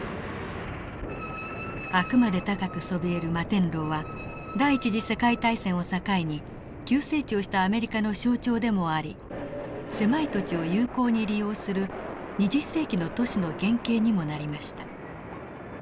あくまで高くそびえる摩天楼は第一次世界大戦を境に急成長したアメリカの象徴でもあり狭い土地を有効に利用する２０世紀の都市の原型にもなりました。